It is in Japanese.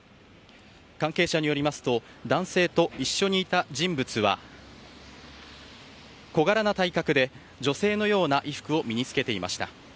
関係者によりますと男性と一緒にいた人物は小柄な体格で女性のような衣服を身に着けていました。